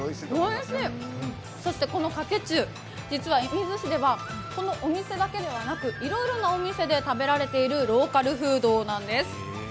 このかけ中、実は射水市ではこのお店だけでなくいろいろなお店で食べられているローカルフードなんです。